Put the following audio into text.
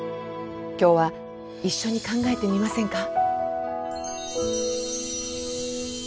今日は一緒に考えてみませんか？